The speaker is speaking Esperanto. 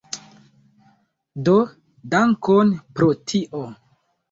Do, dankon pro tio